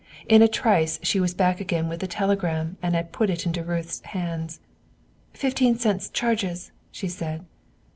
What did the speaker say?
In a trice she was back again with the telegram and had put it into Ruth's hands. "Fifteen cents' charges," she said.